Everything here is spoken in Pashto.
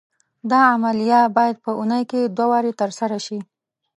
دا عملیه باید په اونۍ کې دوه وارې تر سره شي.